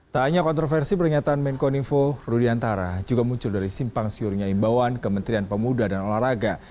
tak hanya kontroversi peringatan menko nifo rudiantara juga muncul dari simpang siurnya imbauan kementerian pemuda dan olahraga